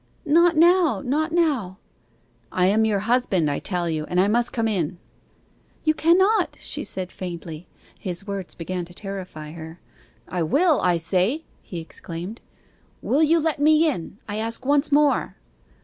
'Not now not now.' 'I am your husband, I tell you, and I must come in.' 'You cannot,' she said faintly. His words began to terrify her. 'I will, I say!' he exclaimed. 'Will you let me in, I ask once more?